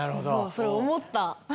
それ思った！